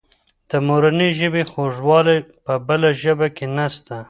د مورنۍ ژبې خوږوالی په بله ژبه کې نسته.